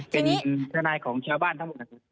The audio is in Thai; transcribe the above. เป็นทนายของชาวบ้านทั้งหมดนะครับ